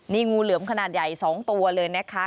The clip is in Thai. นี่งูเหลือมขนาดใหญ่๒ตัวเลยนะคะ